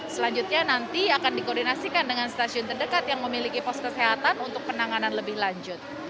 selanjutnya nanti akan dikoordinasikan dengan stasiun terdekat yang memiliki pos kesehatan untuk penanganan lebih lanjut